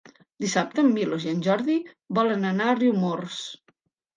Dissabte en Milos i en Jordi volen anar a Riumors.